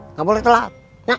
nggak boleh telat